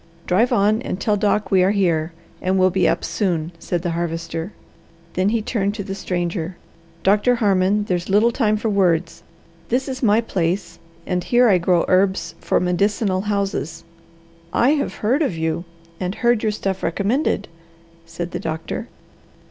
"Drive on and tell Doc we are here, and will be up soon," said the Harvester. Then he turned to the stranger. "Doctor Harmon, there's little time for words. This is my place, and here I grow herbs for medicinal houses." "I have heard of you, and heard your stuff recommended," said the doctor.